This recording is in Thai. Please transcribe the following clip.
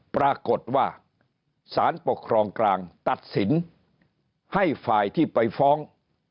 ปรากฏว่าสารปกครองกลางตัดสินให้ฝ่ายที่ไปฟ้อง